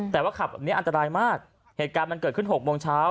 แต่ว่าขับแบบนี้อันตรายมากเหตุการณ์มันเกิดขึ้น๖โมงเช้า